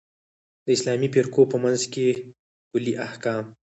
د اسلامي فرقو په منځ کې کُلي احکام.